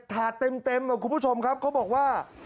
ถาดเต็มคุณผู้ชมครับเขาบอกว่า